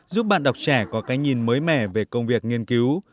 giúp bạn đọc trẻ có cái nhìn mới mẻ về công việc nghiên cứu